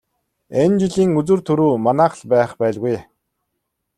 Энэ жилийн үзүүр түрүү манайх л байх байлгүй.